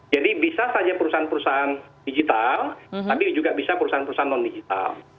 jadi bisa saja perusahaan perusahaan digital tapi juga bisa perusahaan perusahaan non digital